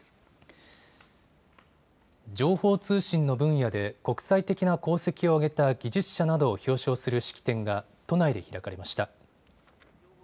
情報通信の分野で国際的な功績を挙げた技術者などを表彰する式典が都内で開かれました。